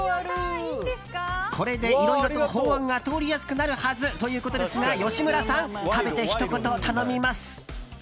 これでいろいろと法案が通りやすくなるはずということですが吉村さん食べてひと言、頼みます。